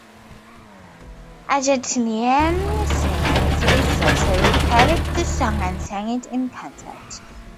Argentinian singer Mercedes Sosa recorded the song and sang it in concerts.